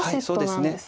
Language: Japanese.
そうですね。